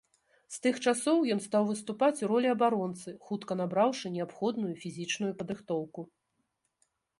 З тых часоў ён стаў выступаць у ролі абаронцы, хутка набраўшы неабходную фізічную падрыхтоўку.